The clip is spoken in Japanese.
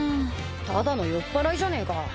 ただの酔っぱらいじゃねえか。